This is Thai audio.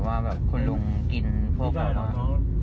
อ๋อแล้วคือถ้าลุงฟังผมโตดก็คือพี่ออกเลย